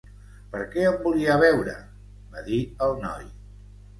"Per què em volia veure?", va dir el noi.